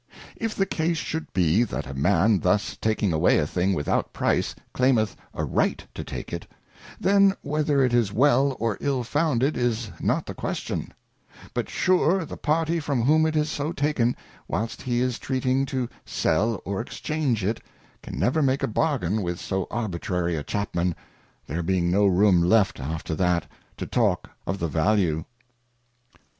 If the case should be, that a Man thus taking away a thing without price, claimeth a right to take it, then whether it is well or ill founded is not the Question ; but sure, the party from whom it is so taken, whilst he is treating to Sell or Exchange it, can never make a Bargain with so arbitrary a Chapman, there being no room left after that to talk of the Value.